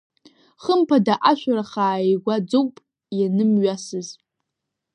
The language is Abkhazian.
Хымԥада ашәарах ааигәаӡоуп ианымҩасыз.